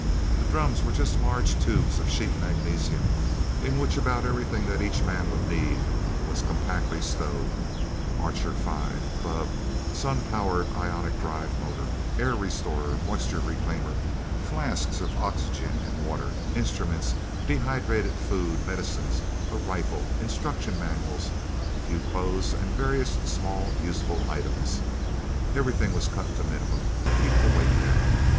The drums were just large tubes of sheet magnesium, in which about everything that each man would need was compactly stowed: Archer Five, bubb, sun powered ionic drive motor, air restorer, moisture reclaimer, flasks of oxygen and water, instruments, dehydrated foods, medicines, a rifle, instruction manuals, a few clothes, and various small, useful items. Everything was cut to minimum, to keep the weight down.